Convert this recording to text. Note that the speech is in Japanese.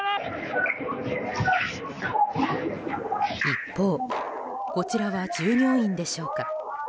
一方こちらは従業員でしょうか。